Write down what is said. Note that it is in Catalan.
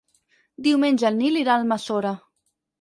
Diumenge en Nil irà a Almassora.